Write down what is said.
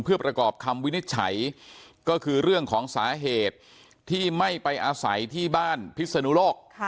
เพื่อประกอบคำวินิจฉัยก็คือเรื่องของสาเหตุที่ไม่ไปอาศัยที่บ้านพิศนุโลก